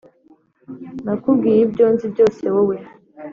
nakubwiye ibyo nzi byose wowe